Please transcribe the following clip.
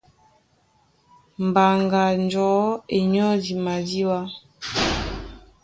Mbaŋga njɔ̌ e nyɔ́di madíɓá.